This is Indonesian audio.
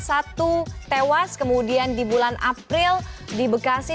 satu tewas kemudian di bulan april di bekasi